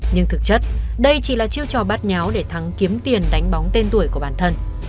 nhưng thực chất đây chỉ là chiêu trò bắt nháo để thắng kiếm tiền đánh bóng tên tuổi của bản thân